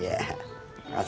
tidak ada yang ngerti